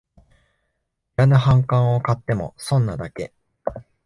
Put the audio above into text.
いらぬ反感を買っても損なだけ